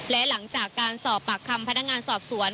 และหลังจากการสอบปากคำพนักงานสอบสวน